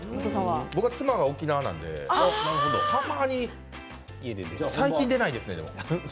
僕は妻が沖縄なのでたまに最近そういえば出ないですね。